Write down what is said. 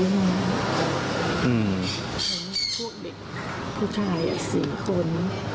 เด็กผู้ชาย๔คน